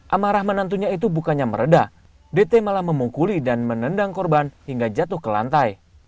amarah menantunya itu bukannya meredah dt malah memungkuli dan menendang korban hingga jatuh ke lantai